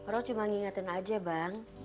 orang cuma ngingetin aja bang